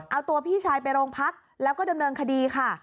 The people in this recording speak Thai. เอาตัวพี่ชายไปโรงพักแล้วก็ดำเนินคดีค่ะ